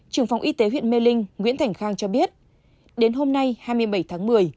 trưởng phòng y tế huyện mê linh nguyễn thành khang cho biết đến hôm nay hai mươi bảy tháng một mươi